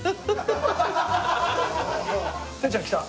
てっちゃん来た。